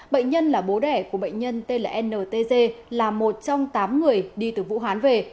bệnh nhân là bố đẻ của bệnh nhân tên là ntg là một trong tám người đi từ vũ hán về